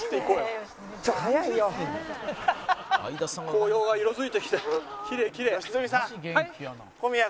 紅葉が色付いてきてきれいきれい。